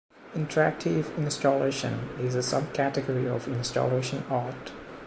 "Interactive installation" is a sub-category of installation art.